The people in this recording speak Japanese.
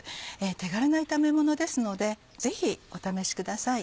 手軽な炒めものですのでぜひお試しください。